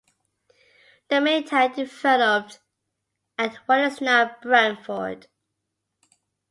The main town developed at what is now Brantford.